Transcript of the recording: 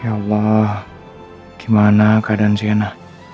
ya allah gimana keadaan sienna